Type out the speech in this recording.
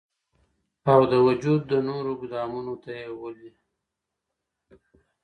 او د وجود نورو ګودامونو ته ئې ولي